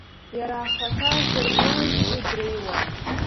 Иара ахаҭа зыргылозгьы дреиуан.